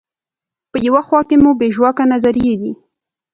په یوه خوا کې مو بې ژواکه نظریې دي.